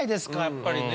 やっぱりね。